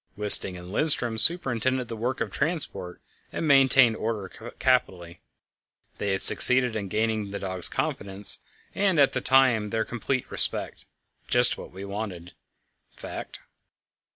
Wisting and Lindström superintended the work of transport, and maintained order capitally. They had succeeded in gaining the dogs' confidence, and at the same time their complete respect just what was wanted, in fact.